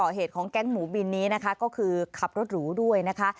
เหตุของแก๊งหมูบินนี้นะคะก็คือขับรถหรูด้วยนะคะ